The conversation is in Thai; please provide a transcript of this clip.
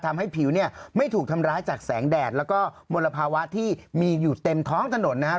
ทำให้ผิวเนี่ยไม่ถูกทำร้ายจากแสงแดดแล้วก็มลภาวะที่มีอยู่เต็มท้องถนนนะครับ